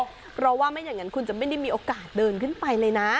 เพราะว่าไม่อย่างนั้นคุณจะไม่ได้มีโอกาสเดินขึ้นไปเลยนะ